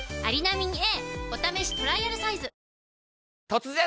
「突然！